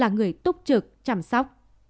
người túc trực chăm sóc